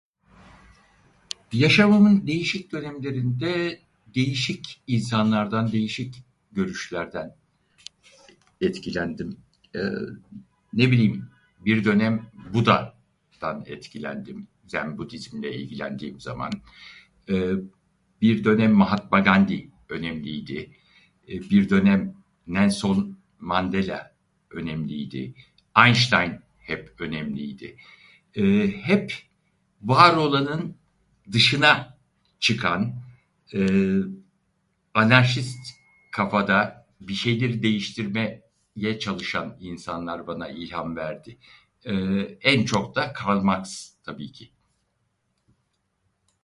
Yaşamımın değişik dönemlerinde, değişik insanlardan, değişik görüşlerden etkilendim. Ee, ne bileyim, bir dönem Buda'dan etkilendim, yani Budizm'le ilgilendiğim zaman. Ee, bir dönem Mahatma Gandhi önemliydi. Bir dönem Nelson Mandela önemliydi, Einstein hep önemliydi. Ee, hep var olanın dışına çıkan, ee, anarşist kafada bir şeyleri değiştirmeye çalışan insanlar bana ilham verdi. Ee, en çok da Karl Marx tabii ki.